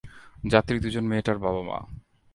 যাত্রী দুজন মেয়েটার বাবা-মা।